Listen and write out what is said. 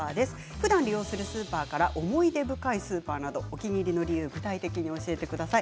ふだん利用するスーパーから思い出深いスーパーなどお気に入りの理由を具体的に教えてください。